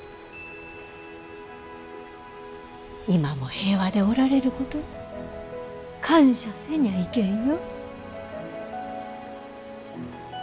今も平和でおられることに感謝せにゃいけんよ。